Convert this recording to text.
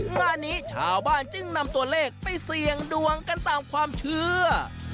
งานนี้ชาวบ้านจึงนำตัวเลขไปเสี่ยงดวงกันตามความเชื่อ